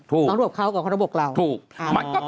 ต้องรวบเขากับขนบุคเรา